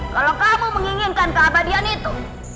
kalau kamu menginginkan keabadian itu